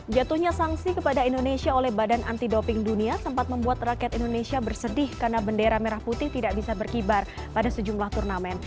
jatuhnya sanksi kepada indonesia oleh badan anti doping dunia sempat membuat rakyat indonesia bersedih karena bendera merah putih tidak bisa berkibar pada sejumlah turnamen